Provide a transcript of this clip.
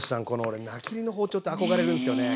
俺菜切りの包丁って憧れるんですよね。